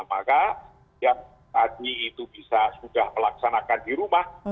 maka yang tadi itu bisa sudah melaksanakan di rumah